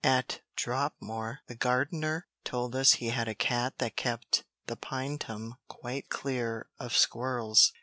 At Dropmore, the gardener told us he had a cat that kept the Pinetum quite clear of squirrels.